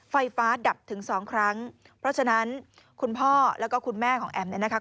ไฟฟ้าดับถึงสองครั้งเพราะฉะนั้นคุณพ่อแล้วก็คุณแม่ของแอมเนี่ยนะคะ